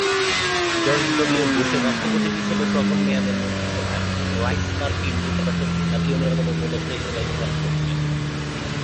George W বুশের রাষ্ট্রপতি হিসেবে প্রথম মেয়াদের মন্ত্রীসভায় রাইস মার্কিন যুক্তরাষ্ট্রের জাতীয় নিরাপত্তা উপদেষ্টা হিসেবে দায়িত্ব পালন করেছিলেন।